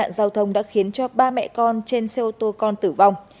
cảnh sát giao thông đã khiến cho ba mẹ con trên xe ô tô con tử vong